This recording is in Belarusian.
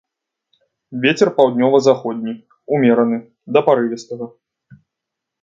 Вецер паўднёва-заходні ўмераны да парывістага.